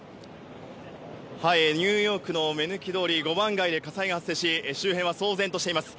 ニューヨークの目抜き通り５番街で火災が発生し周辺は騒然としています。